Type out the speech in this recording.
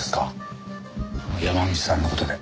山口さんの事で。